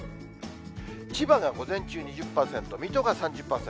千葉が午前中２０％、水戸が３０％。